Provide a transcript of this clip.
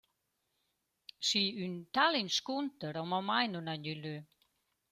Schi, ün tal inscunter amo mai nun ha gnü lö.